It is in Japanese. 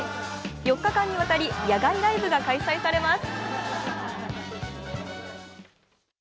４日間にわたり野外ライブが開催されます。